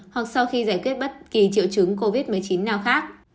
hoặc sau khi giải quyết bất kỳ triệu chứng covid một mươi chín nào khác